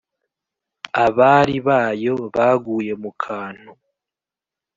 abari bayo baguye mu kantu: